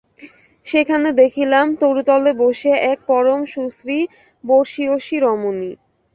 সেখানে দেখিলাম, তরুতলে বসিয়া এক পরম সুশ্রী বর্ষীয়সী রমণী।